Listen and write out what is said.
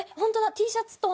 Ｔシャツと同じ。